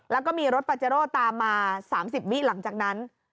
แล้วก็มีรถปาเจโร่ตามมา๓๐วิหลังจากนั้น